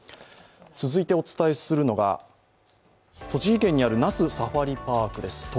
続いてはお伝えするのが、栃木県にある那須サファリパークです。